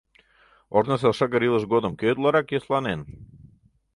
Ожнысо шыгыр илыш годым кӧ утларак йӧсланен?